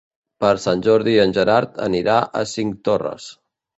Per Sant Jordi en Gerard anirà a Cinctorres.